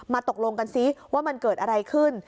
ตกลงกันซิว่ามันเกิดอะไรขึ้น